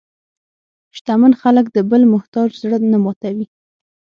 شتمن خلک د بل محتاج زړه نه ماتوي.